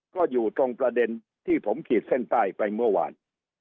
ก็อยู่ตรงประเด็นที่ผมขีดเส้นใต้ไปเมื่อวาน